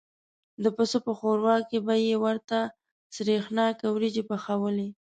د پسه په شوروا کې به یې ورته سرېښناکه وریجې پخوالې.